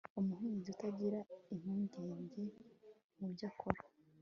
Umuhinzi utagira impungenge mubyo akora